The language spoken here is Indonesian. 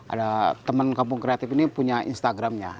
ada teman kampung kreatif ini punya instagramnya